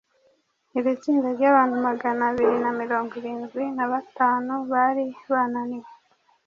Iri tsinda ry’abantu magana abiri na mirongo irindwi na batanu bari bananiwe